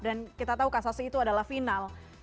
dan kita tahu kasasi itu adalah final